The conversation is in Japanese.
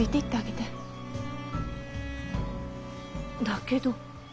だけど。